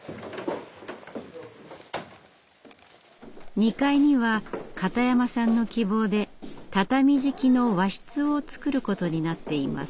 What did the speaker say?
２階には片山さんの希望で畳敷きの和室を作ることになっています。